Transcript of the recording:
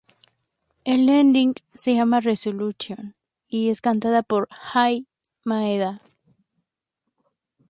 El ending se llama "Resolution" y es cantada por Ai Maeda.